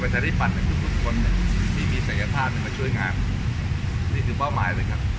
โปรดติดตามตอนต่อไป